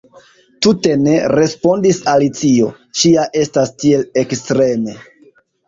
"Tute ne," respondis Alicio. "Ŝi ja estas tiel ekstreme…"